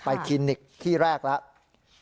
คลินิกที่แรกแล้ว